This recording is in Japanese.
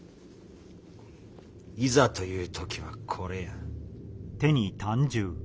いざという時はこれや。